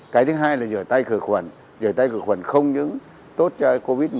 cái thứ hai là rửa tay khởi khuẩn rửa tay khởi khuẩn không những tốt cho covid một mươi chín